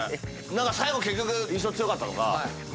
最後結局印象強かったのが。